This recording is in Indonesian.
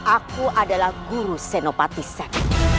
aku adalah guru senopati sek